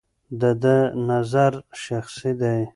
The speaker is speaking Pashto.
د ده نظر شخصي دی.